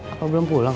aku belum pulang